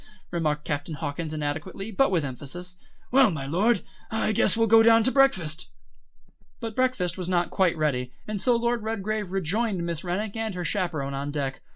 remarked Captain Hawkins inadequately, but with emphasis. "Well, my Lord, I guess we'll go down to breakfast." But breakfast was not quite ready, and so Lord Redgrave rejoined Miss Rennick and her chaperon on deck.